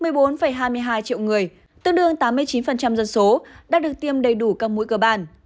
một mươi bốn hai mươi hai triệu người tương đương tám mươi chín dân số đã được tiêm đầy đủ các mũi cơ bản